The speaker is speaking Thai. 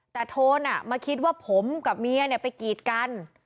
แต่โทนมาคิดว่าผมกับเมียไปกีดกัน